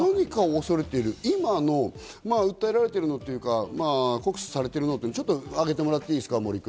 今、訴えられているというか、告訴されているのを挙げてもらっていいですか。